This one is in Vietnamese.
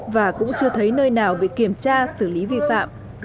và cũng chưa thấy nơi nào bị kiểm tra xử lý việc